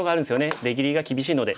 出切りが厳しいので。